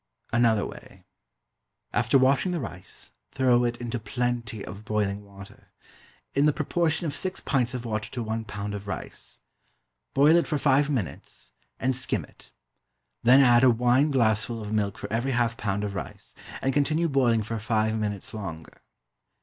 Another way: After washing the rice, throw it into plenty of boiling water in the proportion of six pints of water to one pound of rice. Boil it for five minutes, and skim it; then add a wine glassful of milk for every half pound of rice, and continue boiling for five minutes longer.